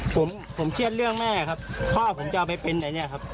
ผมผมเครียดเรื่องแม่ครับพ่อผมจะเอาไปเป็นอันนี้ครับ